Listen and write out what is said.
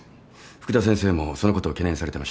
福田先生もそのことを懸念されてました。